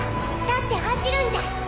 立って走るんじゃ！